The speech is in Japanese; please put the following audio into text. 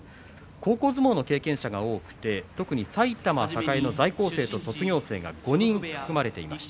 高校相撲の経験者が多くて特に埼玉栄の在校生と卒業生が５人含まれています。